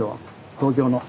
東京の。